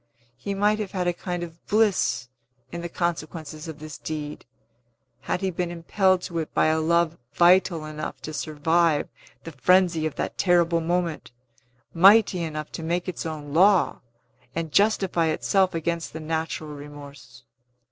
He might have had a kind of bliss in the consequences of this deed, had he been impelled to it by a love vital enough to survive the frenzy of that terrible moment, mighty enough to make its own law, and justify itself against the natural remorse.